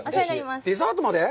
デザートまで？